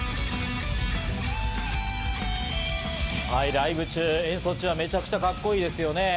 ライブ中、演奏中はめちゃめちゃカッコいいですよね。